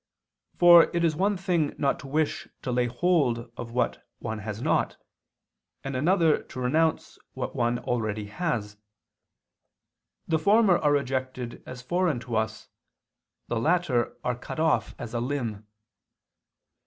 For it is one thing not to wish to lay hold of what one has not, and another to renounce what one already has; the former are rejected as foreign to us, the latter are cut off as a limb."